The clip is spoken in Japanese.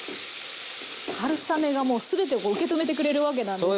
春雨がもう全てをこう受け止めてくれるわけなんですね。